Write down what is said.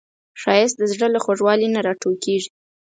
ښایست د زړه له خوږوالي نه راټوکېږي